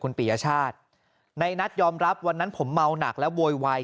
คุณปียชาติในนัทยอมรับวันนั้นผมเมาหนักและโวยวาย